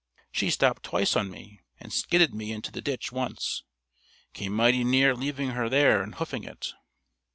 She stopped twice on me and skidded me into the ditch once. Came mighty near leaving her there and hoofing it."